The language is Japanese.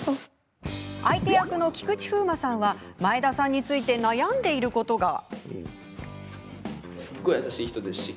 相手役の菊池風磨さんは前田さんについて悩んでいることが。